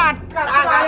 masuklah ke kantin